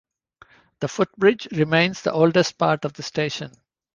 The footbridge remains the oldest part of the station.